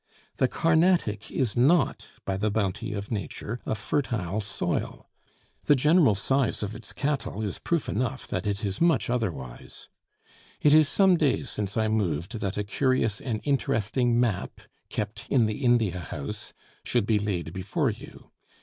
The Carnatic is not by the bounty of nature a fertile soil. The general size of its cattle is proof enough that it is much otherwise. It is some days since I moved that a curious and interesting map kept in the India House should be laid before you.